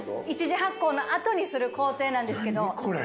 １次発酵の後にする工程なんですけど。